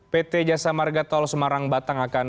pt jasa marga tol semarang batang akan